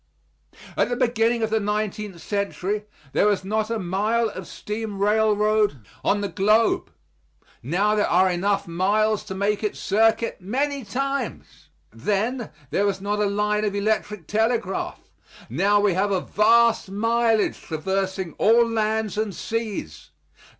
At the beginning of the nineteenth century there was not a mile of steam railroad on the globe; now there are enough miles to make its circuit many times. Then there was not a line of electric telegraph; now we have a vast mileage traversing all lands and seas.